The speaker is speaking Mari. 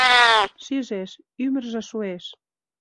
Шижеш: ӱмыржӧ шуэш!